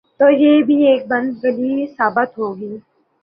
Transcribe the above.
تو یہ بھی ایک بند گلی ثابت ہو گی۔